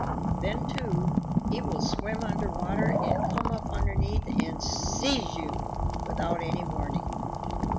Then, too, he will swim under water and come up underneath and seize you without any warning.